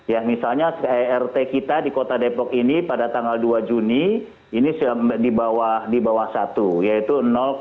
ya misalnya rt kita di kota depok ini pada tanggal dua juni ini di bawah satu yaitu